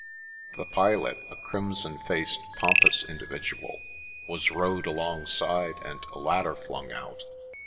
The pilot, a crimson faced pompous individual, was rowed alongside and a ladder flung out.